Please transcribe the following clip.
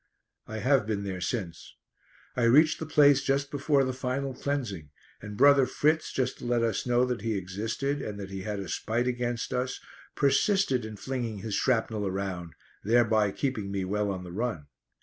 I have been there since. I reached the place just before the final cleansing, and brother Fritz, just to let us know that he existed, and that he had a spite against us, persisted in flinging his shrapnel around, thereby keeping me well on the run.